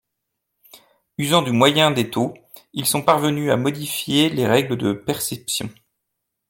Usant du moyen des taux, ils sont parvenus à modifier les règles de perception.